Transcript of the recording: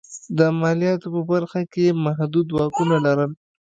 د مالیاتو په برخه کې یې محدود واکونه لرل.